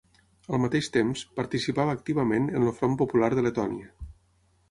Al mateix temps, participava activament en el Front Popular de Letònia.